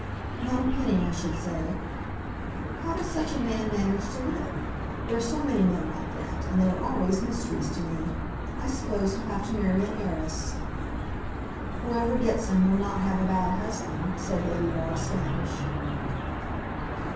"Not a penny, I should say." "How does such a man manage to live? There are so many men like that, and they are always mysteries to me. I suppose he'll have to marry an heiress." "Whoever gets him will not have a bad husband," said Lady Laura Standish.